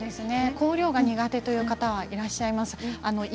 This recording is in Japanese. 香料が苦手な方がいらっしゃいます。